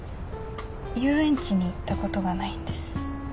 遊園地に行ったことがないんです